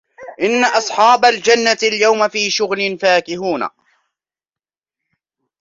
إن أصحاب الجنة اليوم في شغل فاكهون